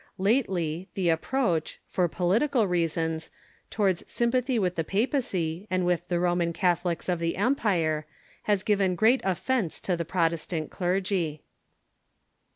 Lately, the approach, for political reasons, towards sympathy with the papacy and with the Ro man Catholics of the empire has given great offence to the Protestant clergy.